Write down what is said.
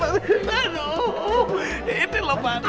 aduh ini loh pane